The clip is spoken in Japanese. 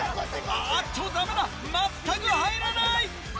あっとダメだ全く入らない！